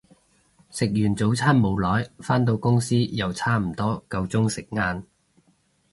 食完早餐冇耐，返到公司又差唔多夠鐘食晏